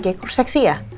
kayak sexy ya